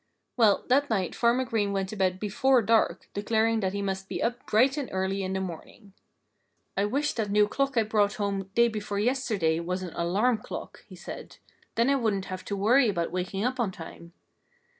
Well, that night Farmer Green went to bed before dark, declaring that he must be up bright and early in the morning. "I wish that new clock I brought home day before yesterday was an alarm clock," he said. "Then I wouldn't have to worry about waking up on time....